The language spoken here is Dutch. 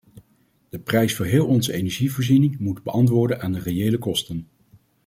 De prijs voor heel onze energievoorziening moet beantwoorden aan de reële kosten.